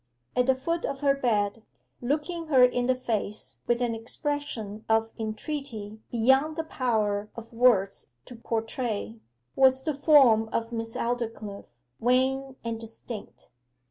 At the foot of her bed, looking her in the face with an expression of entreaty beyond the power of words to portray, was the form of Miss Aldclyffe wan and distinct.